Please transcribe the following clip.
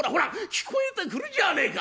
聞こえてくるじゃねえか！」。